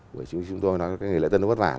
với chúng tôi nói là cái nghề lợi dân nó vất vả